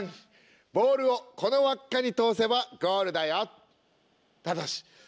ボールをこの輪っかに通せばゴールだよ。